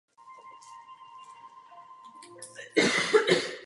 Žádná z hráček nevyhrála soutěž na trávě a zároveň i tvrdém povrchu.